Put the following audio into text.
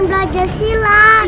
mau belajar silat